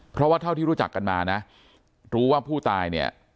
เพราะว่าเท่าที่รู้จักกันมานะรู้ว่าผู้ตายเนี่ย